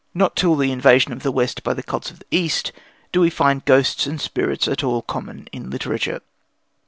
Not till the invasion of the West by the cults of the East do we find ghosts and spirits at all common in literature.